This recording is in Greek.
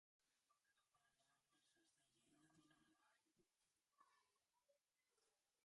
Ανάμεσα στα γέλια των άλλων